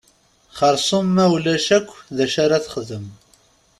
Xersum ma ulac akk d acu ara texdem.